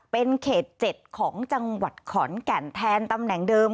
เป็นเขต๗ของจังหวัดขอนแก่นแทนตำแหน่งเดิม